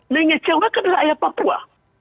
nengah jawa kan adalah ayah papua